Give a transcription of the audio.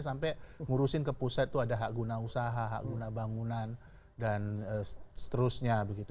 sampai ngurusin ke pusat itu ada hak guna usaha hak guna bangunan dan seterusnya begitu